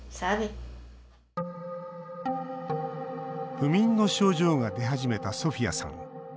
不眠の症状が出始めたソフィアさん。